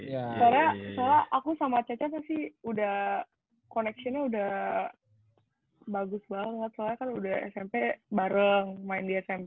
soalnya soalnya aku sama caca sih udah connectionnya udah bagus banget soalnya kan udah smp bareng main di smp